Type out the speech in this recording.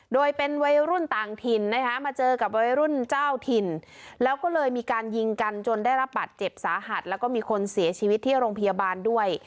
โดยเป็นวัยรุ่นต่างถิ่นนะคะมาเจอกับวัยรุ่นเจ้าถิ่นแล้วก็เลยมีการยิงกันจนได้รับบัตรเจ็บสาหัสแล้วก็มีคนเสียชีวิตที่โรงพยาบาลด้วย